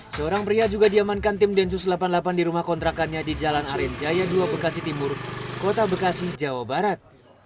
seorang pria juga diamankan tim densus delapan puluh delapan di rumah kontrakannya di jalan aren jaya dua bekasi timur kota bekasi jawa barat